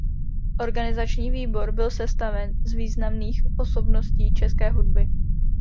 Organizační výbor byl sestaven z významných osobnosti české hudby.